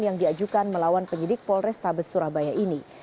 yang diajukan melawan penyidik polrestabes surabaya ini